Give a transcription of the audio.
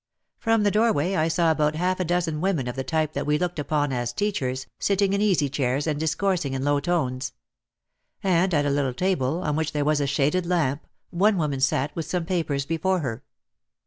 From the doorway I saw about half a dozen women of the type that we looked upon as "teachers" sitting in easy chairs and discoursing in low tones. And at a little table, on which there was a shaded lamp, one woman sat with some papers before her.